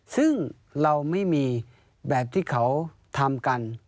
ซึ่งเราไม่มีแบบที่เขาทำกัน